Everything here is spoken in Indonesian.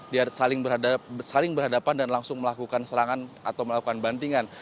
dia saling berhadapan dan langsung melakukan serangan atau melakukan bantingan